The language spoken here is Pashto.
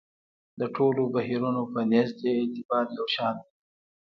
د ټولو بهیرونو په نزد یې اعتبار یو شان دی.